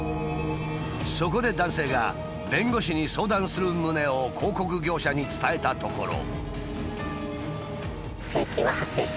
そこで男性が弁護士に相談する旨を広告業者に伝えたところ。